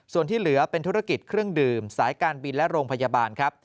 ส่วนที่เหลือเป็นธุรกิจเครื่องดื่มสายการบินและโรงพยาบาลครับ